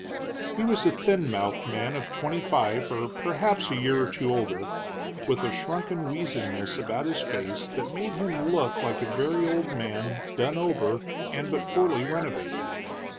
He was a thin mouthed man of twenty five, or perhaps a year or two older, with a shrunken weazenness about his face that made him look like a very old man done over, and but poorly renovated.